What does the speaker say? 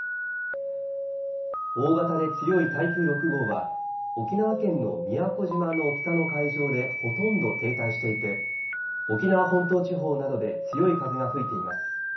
大型で強い台風６号は沖縄県の宮古島の北の海上でほとんど停滞していて沖縄本島地方などで強い風が吹いています。